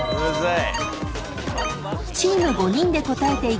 ［チーム５人で答えていき